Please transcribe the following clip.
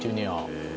へえ。